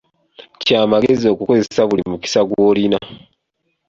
Kya magezi okukozesa buli mukisa gw'olina.